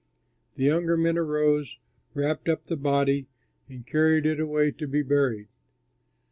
The younger men arose, wrapped up the body, and carried it away to be buried.